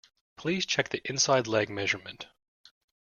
Please check the inside leg measurement